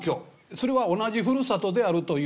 それは同じふるさとであるという。